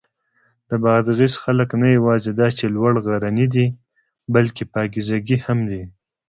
د بادغیس خلک نه یواځې دا چې لوړ غرني دي، بلکې پاکیزګي هم دي.